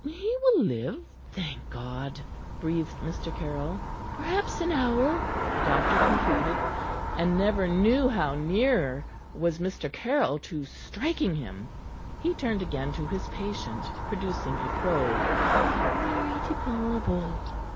"He will live " "Thank God!" breathed Mr. Caryll. " perhaps an hour," the doctor concluded, and never knew how near was Mr. Caryll to striking him. He turned again to his patient, producing a probe. "Very deplorable!"